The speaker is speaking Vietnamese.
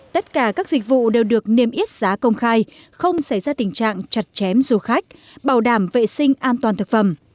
tất cả các dịch vụ đều được niêm yết giá công khai không xảy ra tình trạng chặt chém du khách bảo đảm vệ sinh an toàn thực phẩm